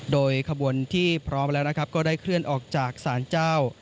โดยขบวนที่พร้อมแล้วนะครับก็ได้เคลื่อนออกจากศาลเจ้า